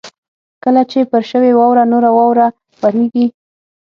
کله چې پر شوې واوره نوره واوره ورېږي